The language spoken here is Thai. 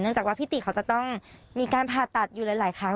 จากว่าพี่ติเขาจะต้องมีการผ่าตัดอยู่หลายครั้ง